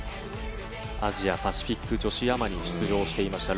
アジアパシフィック女子アマに出場していました。